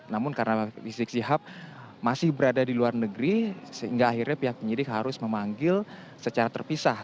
namun karena rizik sihab masih berada di luar negeri sehingga akhirnya pihak penyidik harus memanggil secara terpisah